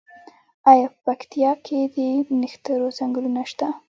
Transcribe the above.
آیا په پکتیا کې د نښترو ځنګلونه شته؟